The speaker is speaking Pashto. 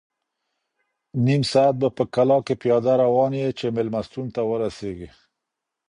نیم ساعت به په کلا کې پیاده روان یې چې مېلمستون ته ورسېږې.